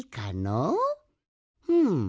うん。